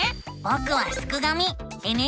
ぼくはすくがミ。